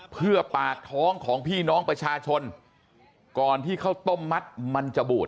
เพื่อปากท้องของพี่น้องประชาชนก่อนที่ข้าวต้มมัดมันจะบูด